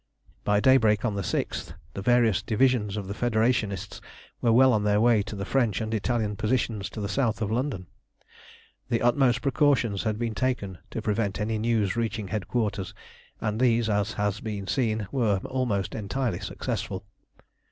By daybreak on the 6th the various divisions of the Federationists were well on their way to the French and Italian positions to the south of London. The utmost precautions had been taken to prevent any news reaching headquarters, and these, as has been seen, were almost entirely successful.